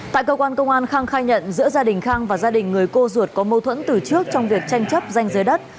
tại cơ quan công an khang khai nhận giữa gia đình khang và gia đình người cô ruột có mâu thuẫn từ trước trong việc tranh chấp danh giới đất